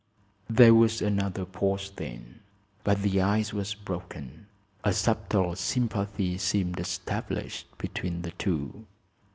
There was another pause, then; but the ice was broken. A subtle sympathy seemed established between the two.